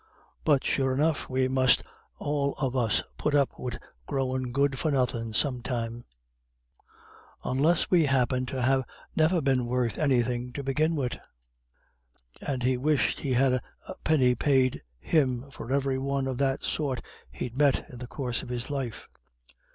But sure enough we must all of us put up wid growin' good for nothin' sometime, unless we happint to ha' never been worth anythin' to begin wid. And he wished he had a penny ped him for every one of that sort he'd met in the coorse of his life."